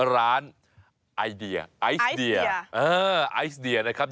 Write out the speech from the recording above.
ร้านไอเดียไอส์เดียอ๋อไอส์เดียนะครับ